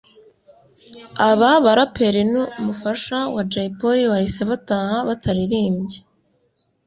aba baraperi n’umufasha wa Jay Polly bahise bataha bataririmbye